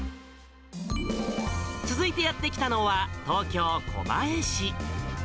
続いてやって来たのは、東京・狛江市。